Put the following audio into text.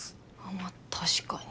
まあ確かに。